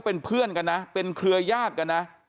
ก็เป็นเพื่อนกันนะเป็นเครือย่างยาทกันนะ